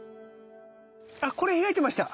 あっこれ開いてました。